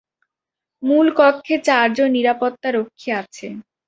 মুল কক্ষে চারজন নিরাপত্তারক্ষী আছে।